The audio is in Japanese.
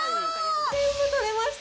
全部取れました。